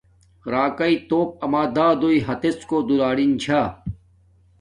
راکانو توپ اما دادون ھتڎ کوٹ دولارین چھا